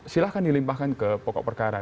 silahkan dilimpahkan ke pokok perkara